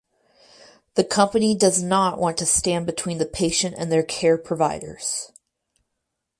The company does not want to stand between the patient and their care providers.